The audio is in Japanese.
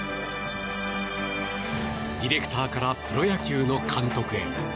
ディレクターからプロ野球の監督へ。